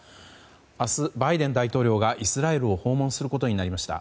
明日、バイデン大統領がイスラエルを訪問することになりました。